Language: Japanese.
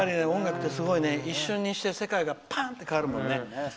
音楽ってすごいね一瞬にして世界がパーンって変わるもんね。